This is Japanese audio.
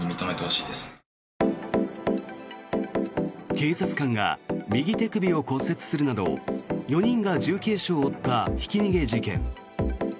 警察官が右手首を骨折するなど４人が重軽傷を負ったひき逃げ事件。